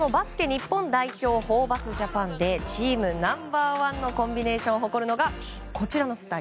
日本代表ホーバスジャパンでチームナンバー１のコンビネーションを誇るのがこちらの２人。